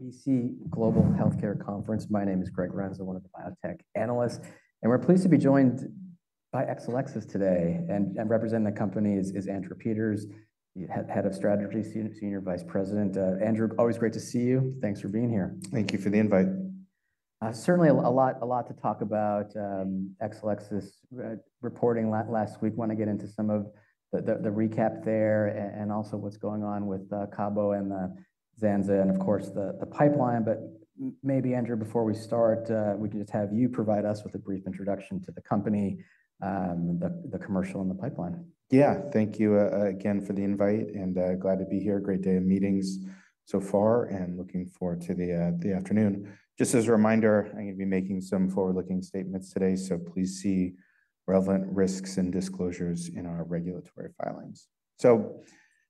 WBC Global Healthcare Conference. My name is Greg Renz. I'm one of the biotech analysts, and we're pleased to be joined by Exelixis today. Representing the company is Andrew Peters, Head of Strategy, Senior Vice President. Andrew, always great to see you. Thanks for being here. Thank you for the invite. Certainly a lot to talk about Exelixis reporting last week. Want to get into some of the recap there and also what's going on with Cabo and the Zanza, and of course the pipeline. Maybe, Andrew, before we start, we can just have you provide us with a brief introduction to the company, the commercial, and the pipeline. Yeah, thank you again for the invite, and glad to be here. Great day of meetings so far, and looking forward to the afternoon. Just as a reminder, I'm going to be making some forward-looking statements today, so please see relevant risks and disclosures in our regulatory filings.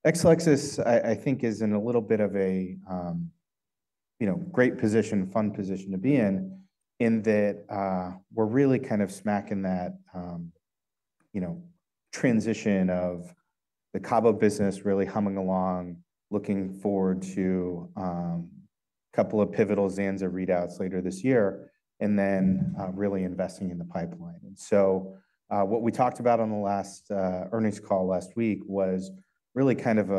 Exelixis, I think, is in a little bit of a great position, fun position to be in, in that we're really kind of smacking that transition of the Cabo business really humming along, looking forward to a couple of pivotal Zanza readouts later this year, and then really investing in the pipeline. What we talked about on the last earnings call last week was really kind of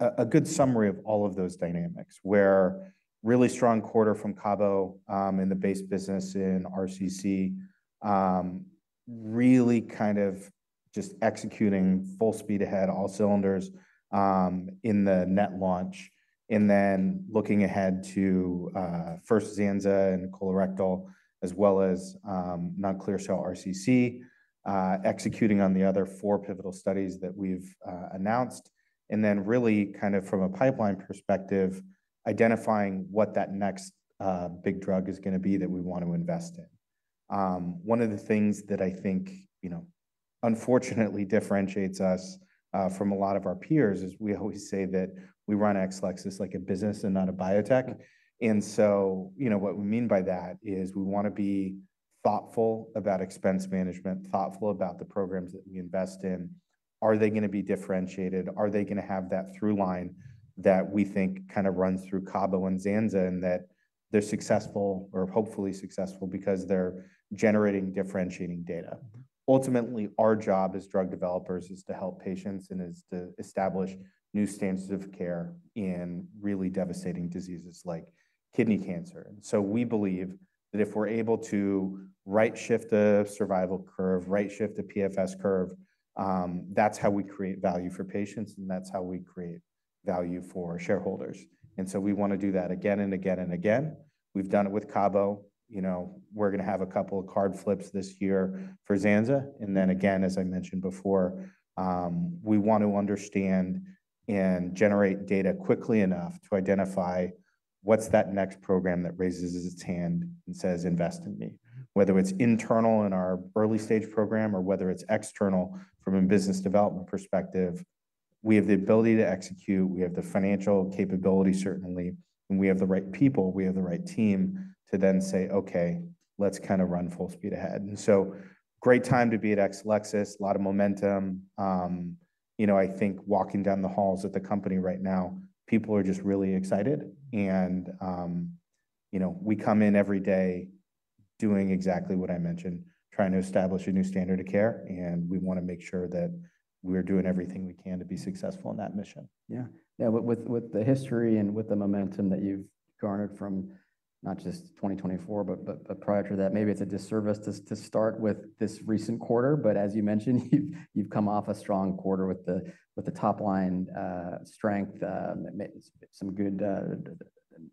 a good summary of all of those dynamics, where really strong quarter from Cabo in the base business in RCC, really kind of just executing full speed ahead, all cylinders in the net launch, and then looking ahead to first Zanza and Colorectal, as well as non-clear cell RCC, executing on the other four pivotal studies that we've announced, and then really kind of from a pipeline perspective, identifying what that next big drug is going to be that we want to invest in. One of the things that I think unfortunately differentiates us from a lot of our peers is we always say that we run Exelixis like a business and not a biotech. What we mean by that is we want to be thoughtful about expense management, thoughtful about the programs that we invest in. Are they going to be differentiated? Are they going to have that through line that we think kind of runs through Cabo and Zanza and that they are successful or hopefully successful because they are generating differentiating data? Ultimately, our job as drug developers is to help patients and is to establish new standards of care in really devastating diseases like kidney cancer. We believe that if we are able to right-shift the survival curve, right-shift the PFS curve, that is how we create value for patients, and that is how we create value for shareholders. We want to do that again and again and again. We have done it with Cabo. We are going to have a couple of card flips this year for Zanza. As I mentioned before, we want to understand and generate data quickly enough to identify what's that next program that raises its hand and says, "Invest in me." Whether it's internal in our early stage program or whether it's external from a business development perspective, we have the ability to execute. We have the financial capability, certainly, and we have the right people, we have the right team to then say, "Okay, let's kind of run full speed ahead." It is a great time to be at Exelixis, a lot of momentum. I think walking down the halls at the company right now, people are just really excited. We come in every day doing exactly what I mentioned, trying to establish a new standard of care, and we want to make sure that we're doing everything we can to be successful in that mission. Yeah. Yeah. With the history and with the momentum that you've garnered from not just 2024, but prior to that, maybe it's a disservice to start with this recent quarter, but as you mentioned, you've come off a strong quarter with the top line strength, some good,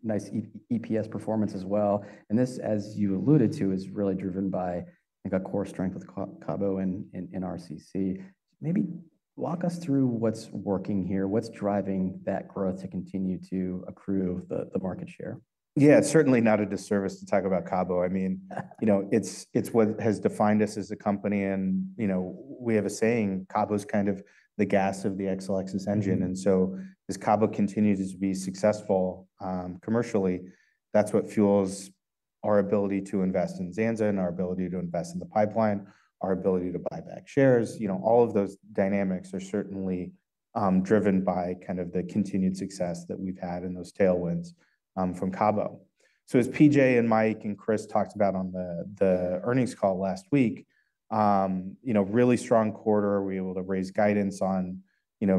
nice EPS performance as well. This, as you alluded to, is really driven by, I think, a core strength with Cabo and RCC. Maybe walk us through what's working here, what's driving that growth to continue to accrue the market share. Yeah, certainly not a disservice to talk about Cabo. I mean, it's what has defined us as a company, and we have a saying, Cabo's kind of the gas of the Exelixis engine. As Cabo continues to be successful commercially, that's what fuels our ability to invest in Zanza and our ability to invest in the pipeline, our ability to buy back shares. All of those dynamics are certainly driven by kind of the continued success that we've had in those tailwinds from Cabo. As PJ and Mike and Chris talked about on the earnings call last week, really strong quarter, we were able to raise guidance on,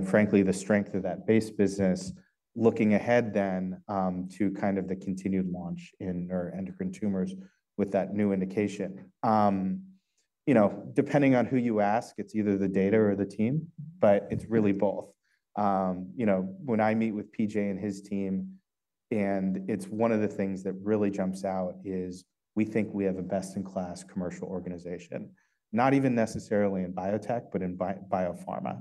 frankly, the strength of that base business, looking ahead then to kind of the continued launch in our endocrine tumors with that new indication. Depending on who you ask, it's either the data or the team, but it's really both. When I meet with P.J. and his team, and it's one of the things that really jumps out is we think we have a best-in-class commercial organization, not even necessarily in biotech, but in biopharma.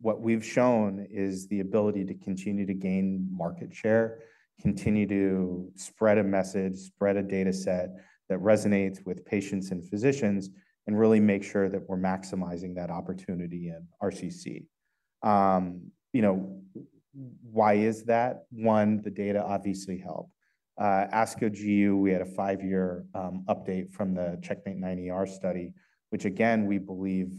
What we've shown is the ability to continue to gain market share, continue to spread a message, spread a data set that resonates with patients and physicians, and really make sure that we're maximizing that opportunity in RCC. Why is that? One, the data obviously help. ASCO GU, we had a five-year update from the CheckMate 9ER study, which again, we believe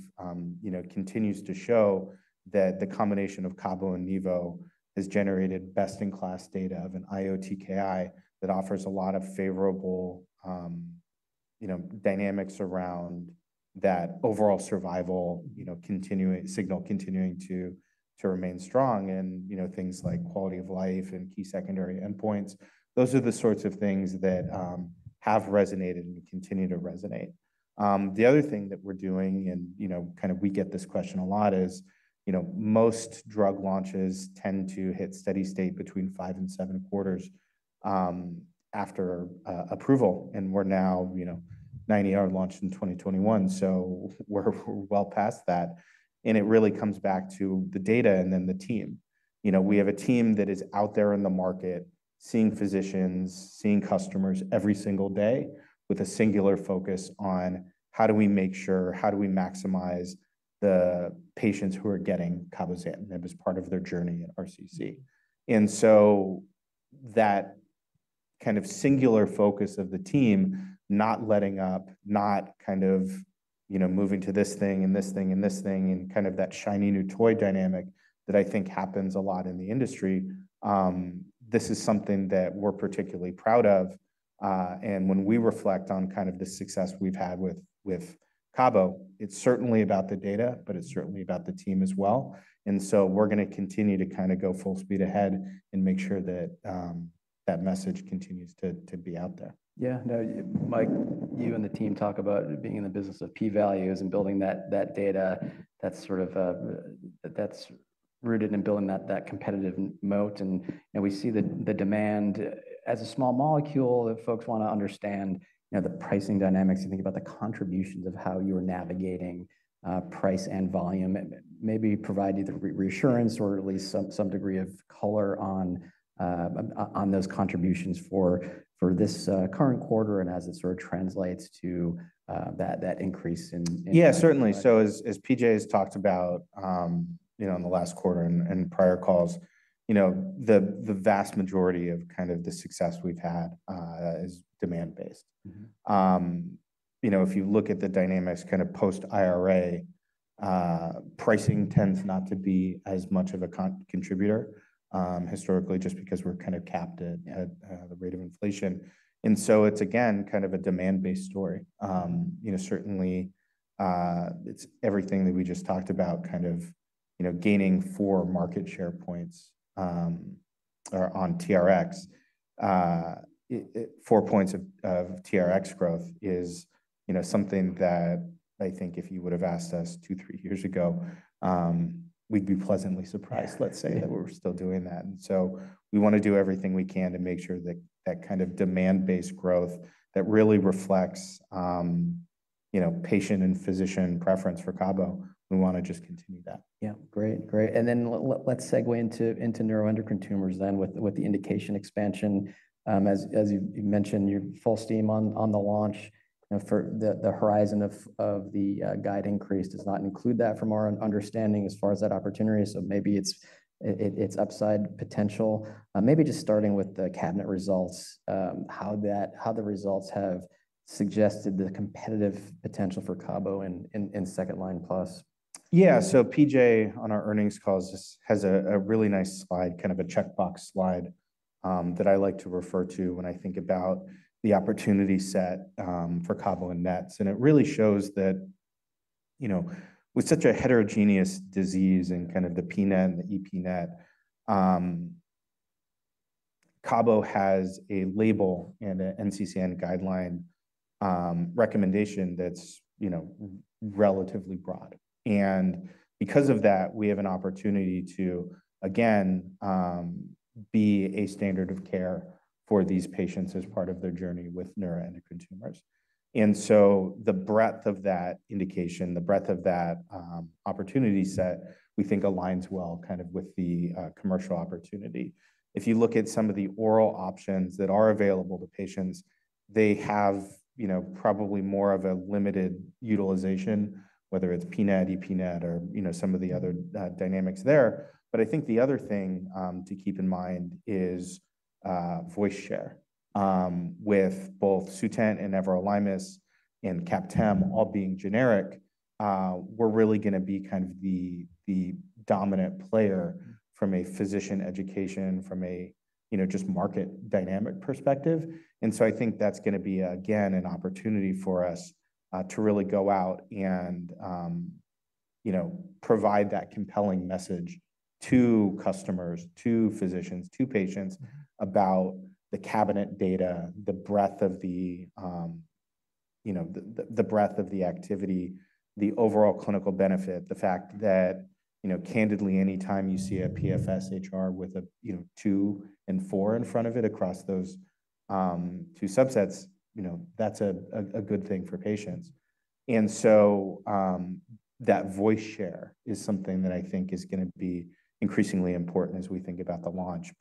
continues to show that the combination of Cabo and Nevo has generated best-in-class data of an IO-TKI that offers a lot of favorable dynamics around that overall survival signal, continuing to remain strong in things like quality of life and key secondary endpoints. Those are the sorts of things that have resonated and continue to resonate. The other thing that we're doing, and kind of we get this question a lot, is most drug launches tend to hit steady state between five and seven quarters after approval, and now 9ER launched in 2021, so we're well past that. It really comes back to the data and then the team. We have a team that is out there in the market, seeing physicians, seeing customers every single day with a singular focus on how do we make sure, how do we maximize the patients who are getting Cabozantinib? It was part of their journey at RCC. That kind of singular focus of the team, not letting up, not kind of moving to this thing and this thing and this thing, and kind of that shiny new toy dynamic that I think happens a lot in the industry, this is something that we're particularly proud of. When we reflect on kind of the success we've had with Cabo, it's certainly about the data, but it's certainly about the team as well. We are going to continue to kind of go full speed ahead and make sure that that message continues to be out there. Yeah. Now, Mike, you and the team talk about being in the business of P-values and building that data that's sort of rooted in building that competitive moat. We see the demand as a small molecule that folks want to understand the pricing dynamics and think about the contributions of how you are navigating price and volume. Maybe provide either reassurance or at least some degree of color on those contributions for this current quarter and as it sort of translates to that increase in. Yeah, certainly. As PJ has talked about in the last quarter and prior calls, the vast majority of kind of the success we've had is demand-based. If you look at the dynamics kind of post-IRA, pricing tends not to be as much of a contributor historically just because we're kind of capped at the rate of inflation. It is again kind of a demand-based story. Certainly, it's everything that we just talked about, kind of gaining four market share points on TRX. Four points of TRX growth is something that I think if you would have asked us two, three years ago, we'd be pleasantly surprised, let's say, that we're still doing that. We want to do everything we can to make sure that kind of demand-based growth that really reflects patient and physician preference for Cabo, we want to just continue that. Yeah. Great. Great. Let's segue into neuroendocrine tumors then with the indication expansion. As you mentioned, you're full steam on the launch. The horizon of the guide increase does not include that from our understanding as far as that opportunity. Maybe it's upside potential. Maybe just starting with the Cabometyx results, how the results have suggested the competitive potential for Cabo in second line plus. Yeah. PJ on our earnings calls has a really nice slide, kind of a checkbox slide that I like to refer to when I think about the opportunity set for Cabo and Nets. It really shows that with such a heterogeneous disease and kind of the pNET and the epNET, Cabo has a label and an NCCN guideline recommendation that's relatively broad. Because of that, we have an opportunity to, again, be a standard of care for these patients as part of their journey with neuroendocrine tumors. The breadth of that indication, the breadth of that opportunity set, we think aligns well kind of with the commercial opportunity. If you look at some of the oral options that are available to patients, they have probably more of a limited utilization, whether it's pNET, epNET, or some of the other dynamics there. I think the other thing to keep in mind is voice share. With both Sutent and Everolimus and Captem all being generic, we're really going to be kind of the dominant player from a physician education, from a just market dynamic perspective. I think that's going to be, again, an opportunity for us to really go out and provide that compelling message to customers, to physicians, to patients about the cabozantinib data, the breadth of the activity, the overall clinical benefit, the fact that candidly, anytime you see a PFS HR with a two and four in front of it across those two subsets, that's a good thing for patients. That voice share is something that I think is going to be increasingly important as we think about the launch.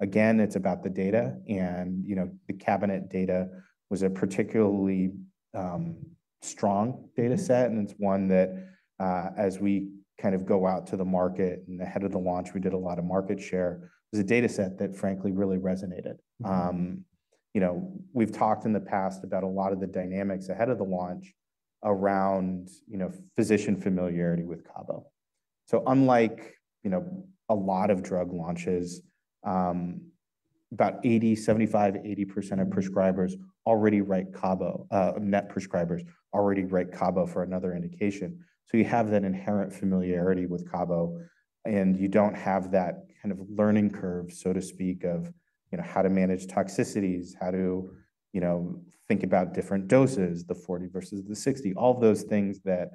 Again, it's about the data. The CABINET data was a particularly strong data set, and it's one that as we kind of go out to the market and ahead of the launch, we did a lot of market share. It was a data set that, frankly, really resonated. We've talked in the past about a lot of the dynamics ahead of the launch around physician familiarity with Cabo. Unlike a lot of drug launches, about 75%-80% of prescribers already write Cabo, net prescribers already write Cabo for another indication. You have that inherent familiarity with Cabo, and you do not have that kind of learning curve, so to speak, of how to manage toxicities, how to think about different doses, the 40 versus the 60, all of those things that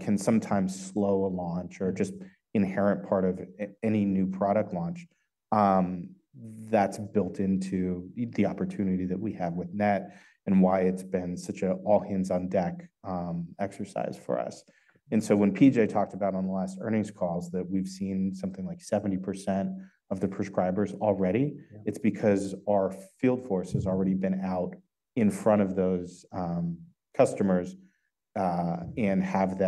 can sometimes slow a launch or just inherent part of any new product launch that is built into the opportunity that we have with Net and why it has been such an all-hands-on-deck exercise for us. When PJ talked about on the last earnings calls that we have seen something like 70% of the prescribers already, it is because our field force has already been out in front of those customers and have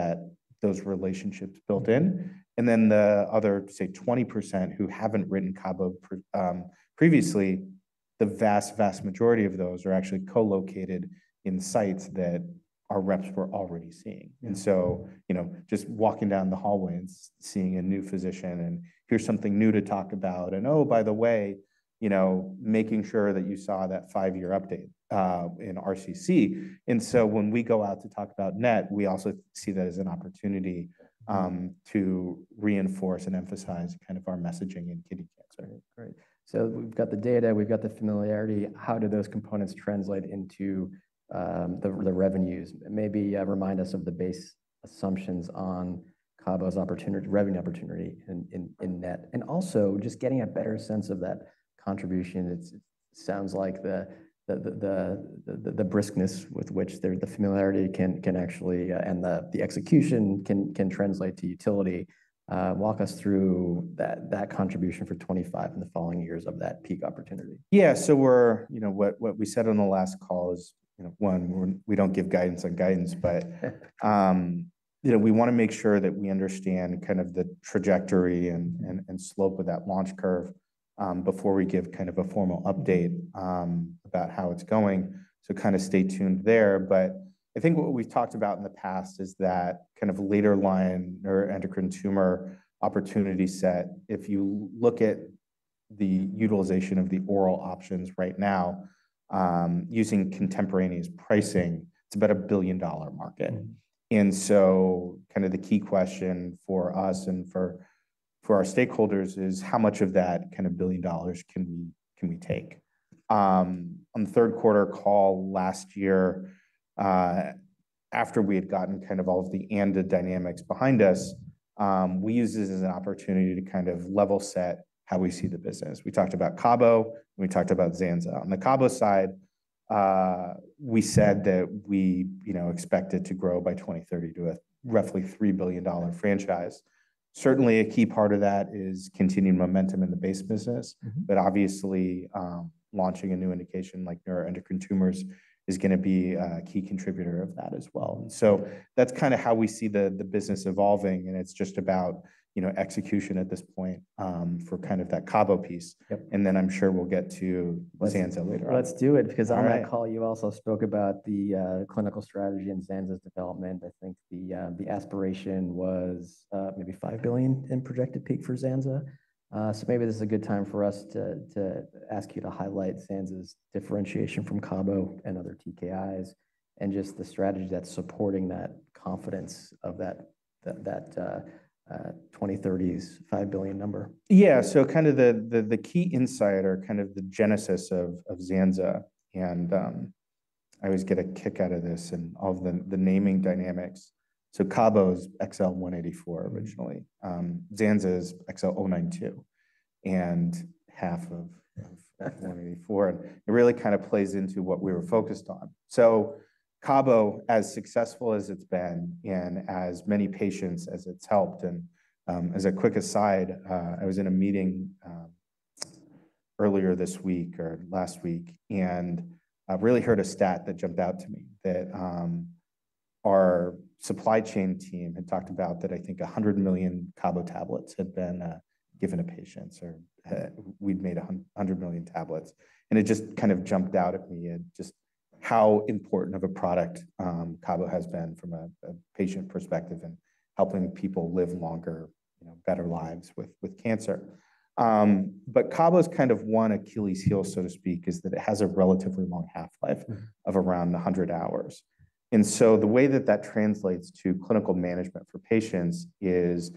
those relationships built in. The other, say, 20% who have not written Cabo previously, the vast, vast majority of those are actually co-located in sites that our reps were already seeing. Just walking down the hallway and seeing a new physician and, "Here's something new to talk about." "Oh, by the way, making sure that you saw that five-year update in RCC." When we go out to talk about Net, we also see that as an opportunity to reinforce and emphasize kind of our messaging in kidney cancer. Great. So we've got the data, we've got the familiarity. How do those components translate into the revenues? Maybe remind us of the base assumptions on Cabo's revenue opportunity in Net. And also just getting a better sense of that contribution. It sounds like the briskness with which the familiarity can actually and the execution can translate to utility. Walk us through that contribution for 2025 in the following years of that peak opportunity. Yeah. What we said on the last call is, one, we don't give guidance on guidance, but we want to make sure that we understand kind of the trajectory and slope of that launch curve before we give kind of a formal update about how it's going. Kind of stay tuned there. I think what we've talked about in the past is that kind of later line neuroendocrine tumor opportunity set, if you look at the utilization of the oral options right now, using contemporaneous pricing, it's about a billion-dollar market. The key question for us and for our stakeholders is how much of that kind of billion-dollars can we take? On the third quarter call last year, after we had gotten kind of all of the ANDA dynamics behind us, we used this as an opportunity to kind of level set how we see the business. We talked about Cabo, and we talked about Zanza. On the Cabo side, we said that we expect it to grow by 2030 to a roughly three billion-dollars franchise. Certainly, a key part of that is continued momentum in the base business, but obviously, launching a new indication like neuroendocrine tumors is going to be a key contributor of that as well. That is kind of how we see the business evolving, and it's just about execution at this point for kind of that Cabo piece. I'm sure we'll get to Zanza later on. Let's do it because on that call, you also spoke about the clinical strategy and Zanza's development. I think the aspiration was maybe $5 billion in projected peak for Zanza. Maybe this is a good time for us to ask you to highlight Zanza's differentiation from Cabo and other TKIs and just the strategy that's supporting that confidence of that 2030s $5 billion number. Yeah. Kind of the key insight or kind of the genesis of Zanza, and I always get a kick out of this and all of the naming dynamics. Cabo's XL184 originally, Zanza's XL092, and half of 184. It really kind of plays into what we were focused on. Cabo, as successful as it's been and as many patients as it's helped. As a quick aside, I was in a meeting earlier this week or last week, and I really heard a stat that jumped out to me that our supply chain team had talked about that I think 100 million Cabo tablets had been given to patients, or we'd made 100 million tablets. It just kind of jumped out at me at just how important of a product Cabo has been from a patient perspective in helping people live longer, better lives with cancer. Cabo's kind of one Achilles heel, so to speak, is that it has a relatively long half-life of around 100 hours. The way that that translates to clinical management for patients is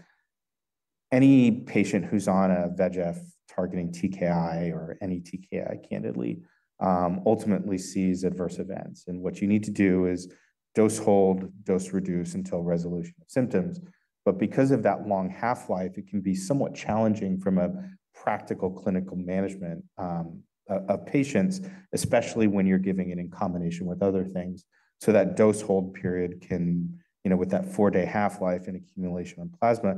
any patient who's on a VEGF targeting TKI or any TKI candidly ultimately sees adverse events. What you need to do is dose hold, dose reduce until resolution of symptoms. Because of that long half-life, it can be somewhat challenging from a practical clinical management of patients, especially when you're giving it in combination with other things. That dose hold period can, with that four-day half-life and accumulation of plasma,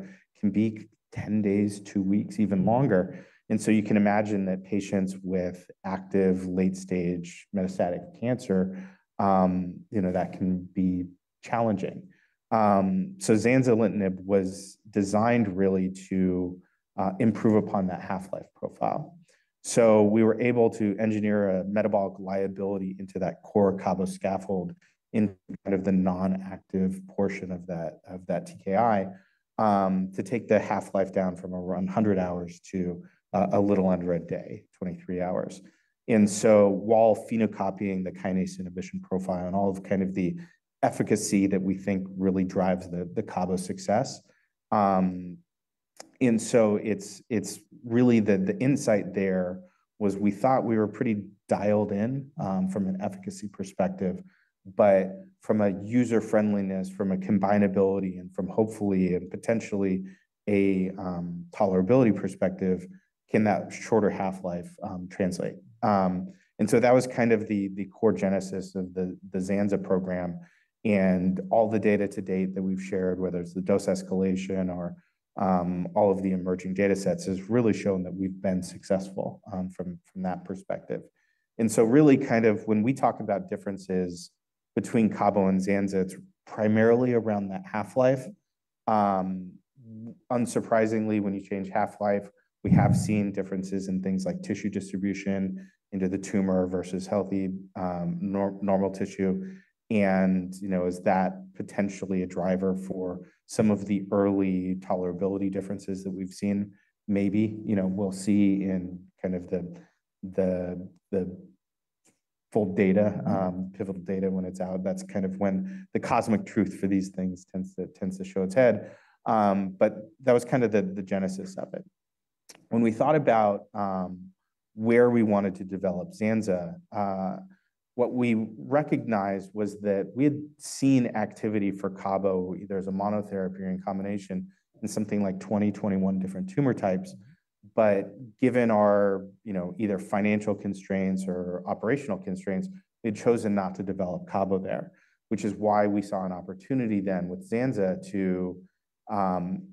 be 10 days, two weeks, even longer. You can imagine that patients with active late-stage metastatic cancer, that can be challenging. Zanzalintinib was designed really to improve upon that half-life profile. We were able to engineer a metabolic liability into that core Cabo scaffold in kind of the non-active portion of that TKI to take the half-life down from around 100 hours to a little under a day, 23 hours. While phenocopying the kinase inhibition profile and all of the efficacy that we think really drives the Cabo success, the insight there was we thought we were pretty dialed in from an efficacy perspective, but from a user-friendliness, from a combineability, and from hopefully and potentially a tolerability perspective, can that shorter half-life translate? That was kind of the core genesis of the Zanza program. All the data to date that we have shared, whether it is the dose escalation or all of the emerging data sets, has really shown that we have been successful from that perspective. Really kind of when we talk about differences between Cabo and Zanza, it's primarily around that half-life. Unsurprisingly, when you change half-life, we have seen differences in things like tissue distribution into the tumor versus healthy normal tissue. Is that potentially a driver for some of the early tolerability differences that we've seen? Maybe we'll see in kind of the full data, pivotal data when it's out. That is kind of when the cosmic truth for these things tends to show its head. That was kind of the genesis of it. When we thought about where we wanted to develop Zanza, what we recognized was that we had seen activity for Cabo either as a monotherapy or in combination in something like 20-21 different tumor types. Given our either financial constraints or operational constraints, we had chosen not to develop Cabo there, which is why we saw an opportunity then with Zanza to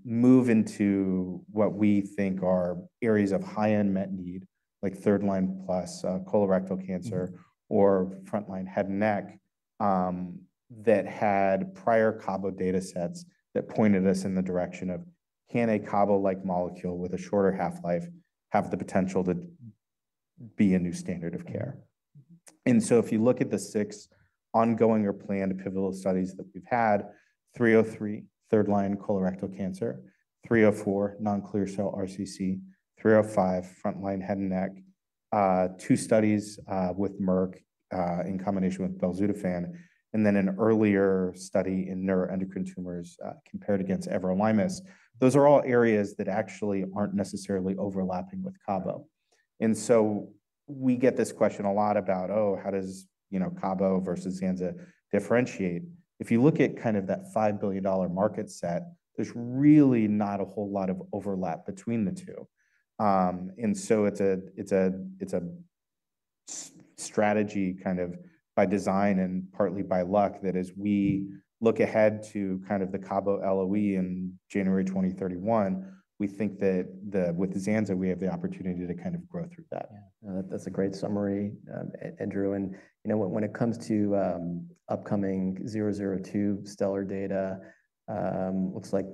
move into what we think are areas of high-end met need, like third line plus colorectal cancer or front line head and neck that had prior Cabo data sets that pointed us in the direction of, can a Cabo-like molecule with a shorter half-life have the potential to be a new standard of care? If you look at the six ongoing or planned pivotal studies that we've had, 303, third line colorectal cancer, 304, non-clear cell RCC, 305, front line head and neck, two studies with Merck in combination with Belzutifan, and then an earlier study in neuroendocrine tumors compared against Everolimus. Those are all areas that actually aren't necessarily overlapping with Cabo. We get this question a lot about, oh, how does Cabo versus Zanza differentiate? If you look at kind of that $5 billion market set, there's really not a whole lot of overlap between the two. It is a strategy kind of by design and partly by luck that as we look ahead to kind of the Cabo LOE in January 2031, we think that with Zanza, we have the opportunity to kind of grow through that. Yeah. That's a great summary, Andrew. When it comes to upcoming 002 STELLAR data, looks like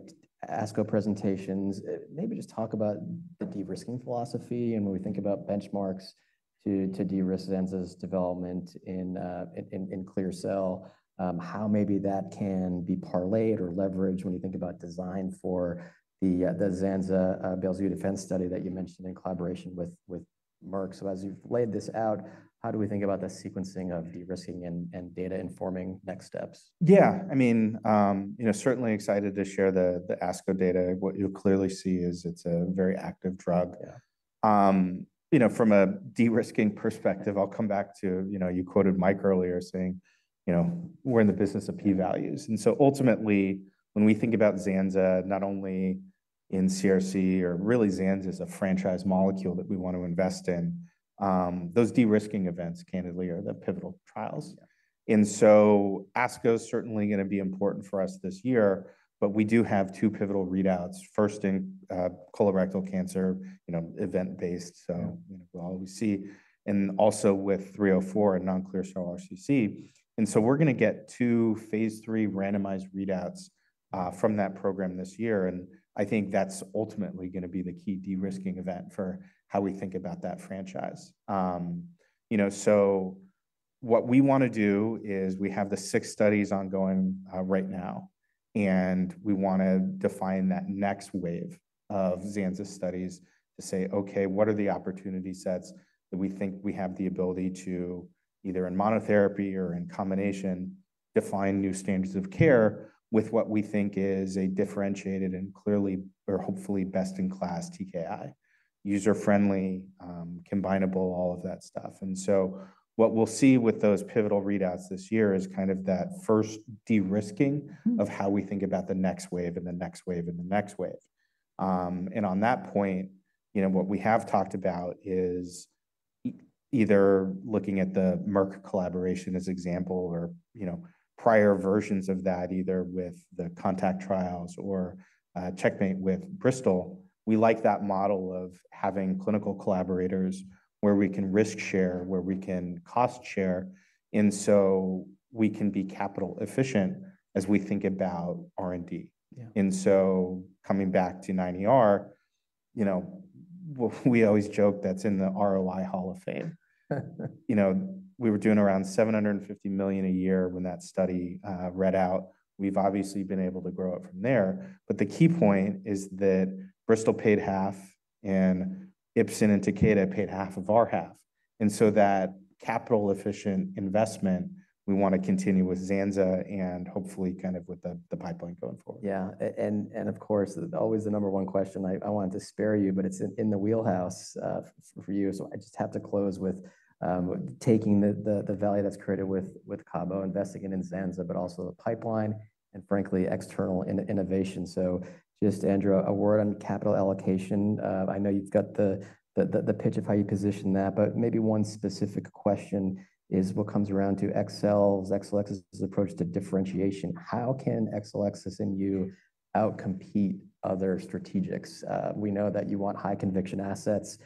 ASCO presentations, maybe just talk about the de-risking philosophy and when we think about benchmarks to de-risk Zanza's development in clear cell, how maybe that can be parlayed or leveraged when you think about design for the Zanza Belzutifan study that you mentioned in collaboration with Merck. As you've laid this out, how do we think about the sequencing of de-risking and data-informing next steps? Yeah. I mean, certainly excited to share the ASCO data. What you'll clearly see is it's a very active drug. From a de-risking perspective, I'll come back to you quoted Mike earlier saying, "We're in the business of P-values." Ultimately, when we think about Zanza, not only in CRC or really Zanza is a franchise molecule that we want to invest in, those de-risking events candidly are the pivotal trials. ASCO is certainly going to be important for us this year, but we do have two pivotal readouts. First in colorectal cancer, event-based, so we'll always see. Also with 304 and non-clear cell RCC. We're going to get two phase three randomized readouts from that program this year. I think that's ultimately going to be the key de-risking event for how we think about that franchise. What we want to do is we have the six studies ongoing right now, and we want to define that next wave of Zanza studies to say, "Okay, what are the opportunity sets that we think we have the ability to either in monotherapy or in combination define new standards of care with what we think is a differentiated and clearly or hopefully best-in-class TKI, user-friendly, combineable, all of that stuff?" What we will see with those pivotal readouts this year is kind of that first de-risking of how we think about the next wave and the next wave and the next wave. On that point, what we have talked about is either looking at the Merck collaboration as example or prior versions of that, either with the Contact trials or CheckMate with Bristol. We like that model of having clinical collaborators where we can risk share, where we can cost share, and so we can be capital efficient as we think about R&D. Coming back to 9ER, we always joke that's in the ROI hall of fame. We were doing around $750 million a year when that study read out. We've obviously been able to grow it from there. The key point is that Bristol paid half, and IPSEN and Takeda paid half of our half. That capital efficient investment, we want to continue with Zanza and hopefully kind of with the pipeline going forward. Yeah. Of course, always the number one question I want to spare you, but it's in the wheelhouse for you. I just have to close with taking the value that's created with Cabo, investing in Zanza, but also the pipeline and, frankly, external innovation. Just, Andrew, a word on capital allocation. I know you've got the pitch of how you position that, but maybe one specific question is what comes around to Exelixis's approach to differentiation. How can Exelixis and you out-compete other strategics? We know that you want high conviction assets,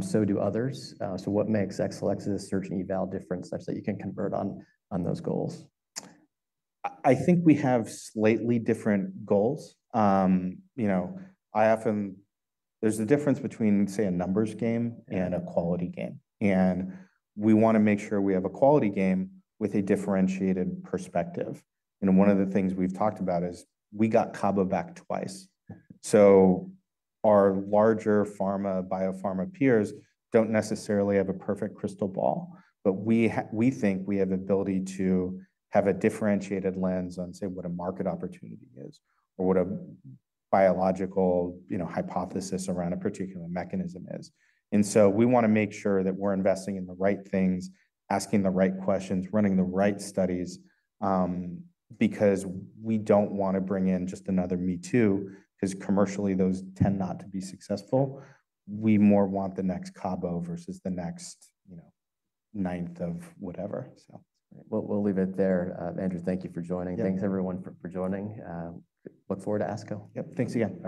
so do others. What makes Exelixis's search and eval different such that you can convert on those goals? I think we have slightly different goals. There's a difference between, say, a numbers game and a quality game. We want to make sure we have a quality game with a differentiated perspective. One of the things we've talked about is we got Cabo back twice. Our larger pharma, biopharma peers don't necessarily have a perfect crystal ball, but we think we have the ability to have a differentiated lens on, say, what a market opportunity is or what a biological hypothesis around a particular mechanism is. We want to make sure that we're investing in the right things, asking the right questions, running the right studies, because we don't want to bring in just another me too because commercially, those tend not to be successful. We more want the next Cabo versus the next ninth of whatever. We'll leave it there. Andrew, thank you for joining. Thanks, everyone, for joining. Look forward to ASCO. Yep. Thanks again.